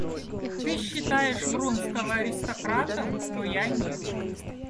Ты считаешь Вронского аристократом, но я нет.